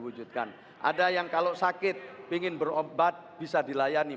ada yang kalau sakit ingin berobat bisa dilayani ada yang kalau sakit ingin berobat bisa dilayani